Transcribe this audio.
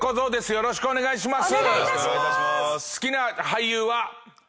よろしくお願いします！